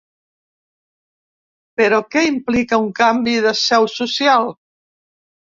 Però què implica un canvi de seu social?